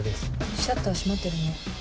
シャッター閉まってるね。